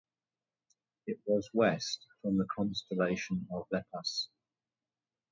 It was west from the constellation of Lepus.